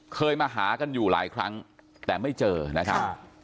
เคยมาหากันอยู่หลายครั้งแต่ไม่เจอนะครับ